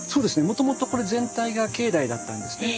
もともとこれ全体が境内だったんですね。